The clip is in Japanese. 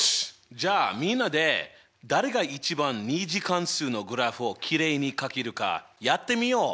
じゃあみんなで誰が一番２次関数のグラフをきれいにかけるかやってみよう！